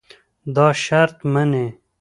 دا شرط منې.